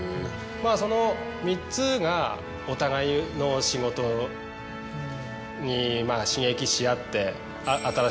まぁその３つがお互いの仕事にまぁ刺激し合って。